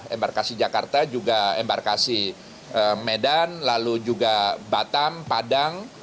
embarkasi jakarta juga embarkasi medan lalu juga batam padang